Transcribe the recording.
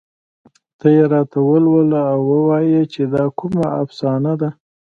ته یې راته ولوله او ووايه چې دا کومه افسانه ده